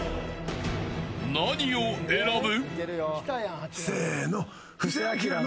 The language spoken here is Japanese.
何を選ぶ。